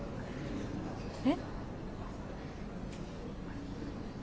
えっ？